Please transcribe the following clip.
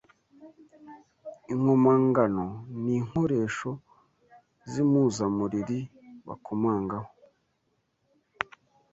Inkomangano ni inkoresho z’impuzamuriri bakomangaho